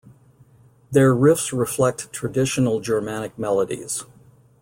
Their riffs reflect traditional Germanic melodies.